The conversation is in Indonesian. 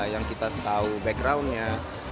yang kita tahu backgroundnya